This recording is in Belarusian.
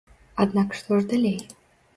Аднак што ж далей?